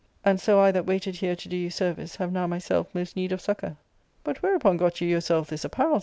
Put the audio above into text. And so I that waited here to do you service have now myself most need of succour." *' But whereupon got you yourself this apparel